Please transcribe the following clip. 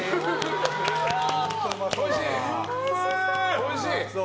おいしい？